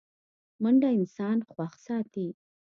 منډه انسان خوښ ساتي